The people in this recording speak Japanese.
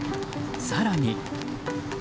更に。